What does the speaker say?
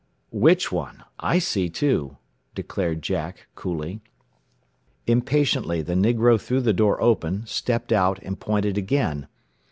"Which one? I see two," declared Jack, coolly. Impatiently the negro threw the door wide, stepped out, and pointed again.